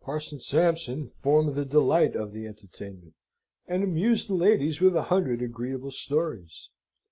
Parson Sampson formed the delight of the entertainment, and amused the ladies with a hundred agreeable stories.